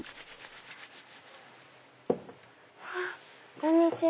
こんにちは。